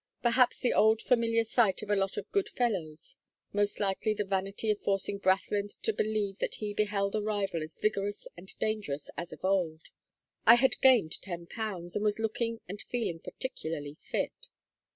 Perhaps the old familiar sight of a lot of good fellows; most likely the vanity of forcing Brathland to believe that he beheld a rival as vigorous and dangerous as of old I had gained ten pounds and was looking and feeling particularly fit.